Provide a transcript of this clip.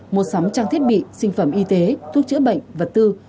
mua sắm trang thiết bị sinh phẩm y tế thuốc chữa bệnh vật tư